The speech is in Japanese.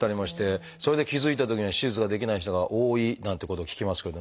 それで気付いたときには手術ができない人が多いなんてことを聞きますけど。